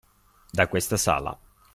da questa sala.